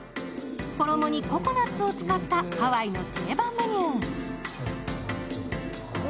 衣にココナッツを使ったハワイの定番メニュー。